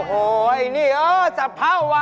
โอ้โฮนี่เออสับเผ่าว่ะ